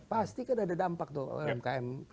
pasti kan ada dampak tuh umkm